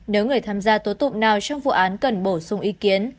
nếu người tham gia tố tụng nào trong vụ án cần bổ sung ý kiến